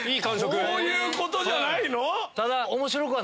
こういうことじゃないの？